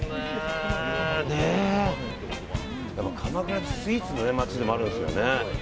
やっぱ鎌倉ってスイーツの街でもあるんですよね。